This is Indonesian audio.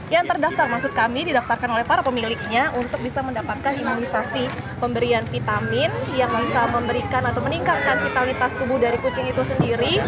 yang terdaftar maksud kami didaftarkan oleh para pemiliknya untuk bisa mendapatkan imunisasi pemberian vitamin yang bisa memberikan atau meningkatkan vitalitas tubuh dari kucing itu sendiri